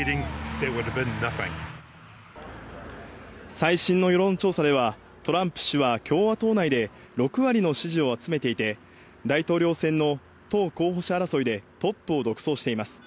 最新の世論調査では、トランプ氏は共和党内で６割の支持を集めていて、大統領選の党候補者争いでトップを独走しています。